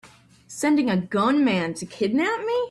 Sending a gunman to kidnap me!